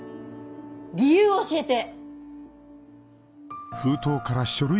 理由を教えて！